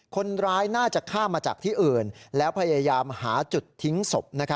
คนร้ายน่าจะฆ่ามาจากที่อื่นแล้วพยายามหาจุดทิ้งศพ